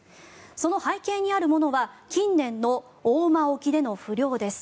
その背景にあるものは近年の大間沖での不漁です。